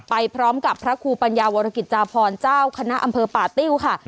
ไปพร้อมกับพระครูปัญญาวรกิจจาพรเจ้าคณะอำเภอป่าติ้วค่ะ